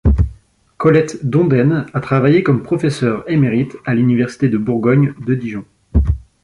Colette Dondaine a travaillé comme professeur émérite à l'Université de Bourgogne de Dijon.